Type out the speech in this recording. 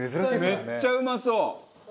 めっちゃうまそう！